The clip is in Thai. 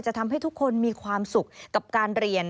ทำให้ทุกคนมีความสุขกับการเรียน